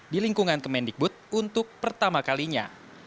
di lingkungan kemendikbud untuk pertama kalinya